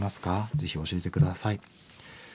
ぜひ教えて下さい。